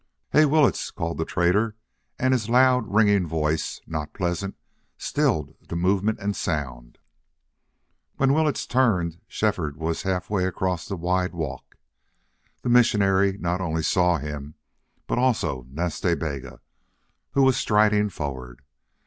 "Hey, Willetts!" called the trader, and his loud, ringing voice, not pleasant, stilled the movement and sound. When Willetts turned, Shefford was half way across the wide walk. The missionary not only saw him, but also Nas Ta Bega, who was striding forward.